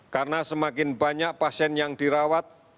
karena semakin banyak pasien yang dirawat